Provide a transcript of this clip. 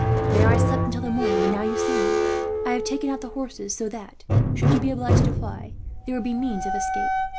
There I slept until the morning, and now you see me. "I have taken out the horses so that, should you be obliged to fly, there would be means of escape.